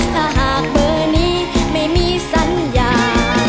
ถ้าหากเบอร์นี้ไม่มีสัญญา